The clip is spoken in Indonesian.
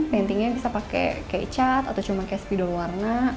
pantingnya bisa pakai kayak cat atau cuma kayak spidol warna